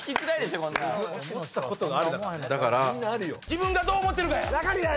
自分がどう思ってるかや。